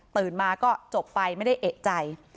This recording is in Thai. มาก็จบไปไม่ได้เอกใจ